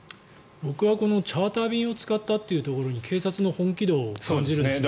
僕はチャーター便を使ったところに警察の本気度を感じるんですね。